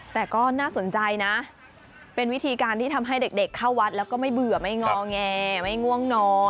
แต่ก็น่าสนใจนะเป็นวิธีการที่ทำให้เด็กเข้าวัดแล้วก็ไม่เบื่อไม่งอแงไม่ง่วงนอน